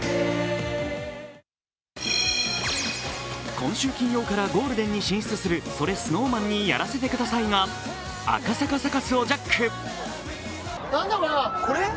今週金曜からゴールデンに進出する「それＳｎｏｗＭａｎにやらせて下さい」が赤坂サカスをジャック。